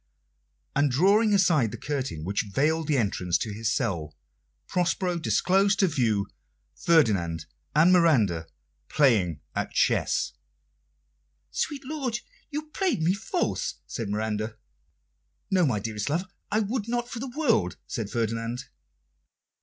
And, drawing aside the curtain which veiled the entrance to his cell, Prospero disclosed to view Ferdinand and Miranda playing at chess. "Sweet lord, you play me false," said Miranda. "No, my dearest love, I would not for the world," said Ferdinand.